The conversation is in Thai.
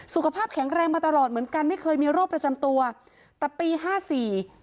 สุขภาพแข็งแรงมาตลอดเหมือนกันไม่เคยมีโรคประจำตัวแต่ปีห้าสี่